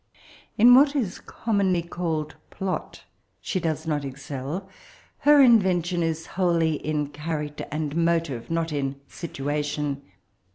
In what is commonly called ^^plof' she does not excel. Her invention is wholly in character and motive, not in situ ation.